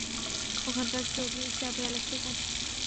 ওখানকার চাবি অ্যালেক্সের কাছে।